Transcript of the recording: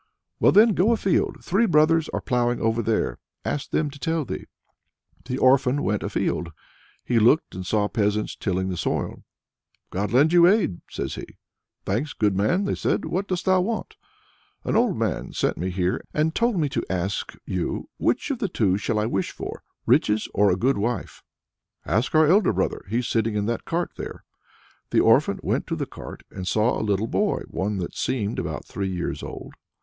"Well then, go afield. Three brothers are ploughing over there. Ask them to tell thee." The orphan went afield. He looked, and saw peasants tilling the soil. "God lend you aid!" says he. "Thanks, good man!" say they. "What dost thou want?" "An old man has sent me here, and told me to ask you which of the two I shall wish for riches or a good wife?" "Ask our elder brother; he's sitting in that cart there." The orphan went to the cart and saw a little boy one that seemed about three years old.